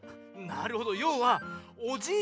なるほどようはおじい